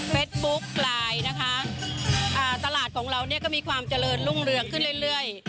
บุ๊กไลน์นะคะตลาดของเราเนี่ยก็มีความเจริญรุ่งเรืองขึ้นเรื่อย